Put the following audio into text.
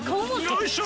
よいしょ！